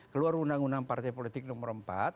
keluar undang undang partai politik nomor empat